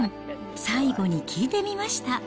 最後に聞いてみました。